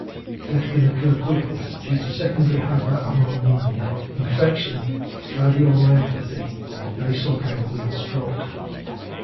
Death can occur quickly, due to secondary hyperammonemia, infection, cardiomyopathy, or basal ganglial stroke.